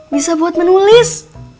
bisa buat menulis